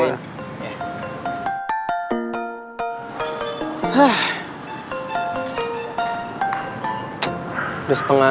udah setengah enam